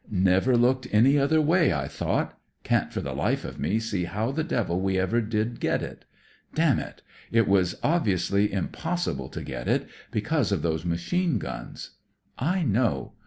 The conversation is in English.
"Never looked any other way, I thought. Can't for the life of me see how the devil we ever did get it. Damn it t It was obviously impossible to get it, because of those machine guns." " I know.